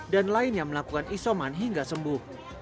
dan lainnya melakukan isoman hingga sembuh